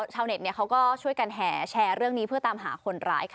ชาวเน็ตเขาก็ช่วยกันแห่แชร์เรื่องนี้เพื่อตามหาคนร้ายค่ะ